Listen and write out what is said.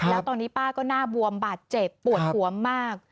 แล้วตอนนี้ป้าก็หน้าบวมบาดเจ็บปวดหัวมาก